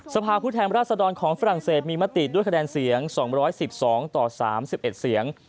สภาพผู้แทนราชดรของฝรั่งเศสมีมติด้วยคะแนนเสียง๒๑๒ต่อ๓๑เสียง